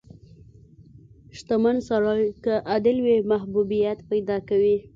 • شتمن سړی که عادل وي، محبوبیت پیدا کوي.